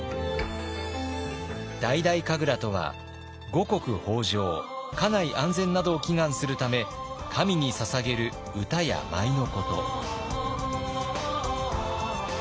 大々神楽とは五穀豊穣家内安全などを祈願するため神にささげる歌や舞のこと。